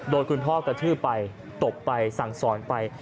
คุณพ่อกระทืบไปตบไปสั่งสอนไป